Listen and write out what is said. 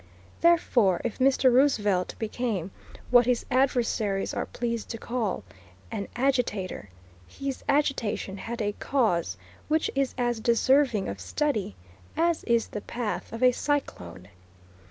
Therefore, if Mr. Roosevelt became, what his adversaries are pleased to call, an agitator, his agitation had a cause which is as deserving of study as is the path of a cyclone.